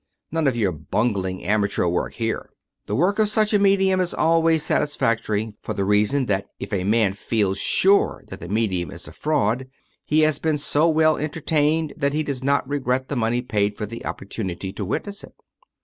None *of your bungling, amateur work here. The work of such a medium is always satisfactory for the reason that if a man feels sure that the medium is a fraud, he has been so well entertained that he does not regret the money paid for the opportunity to witness it.